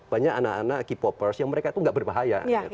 banyak anak anak k popers yang mereka itu nggak berbahaya